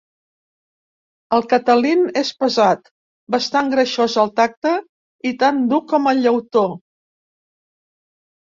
El Catalin és pesat, bastant greixós al tacte i tan dur com el llautó.